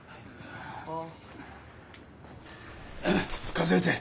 数えて。